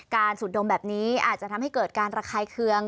สูดดมแบบนี้อาจจะทำให้เกิดการระคายเคือง